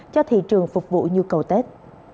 cho thị trường phục vụ nhu cầu tết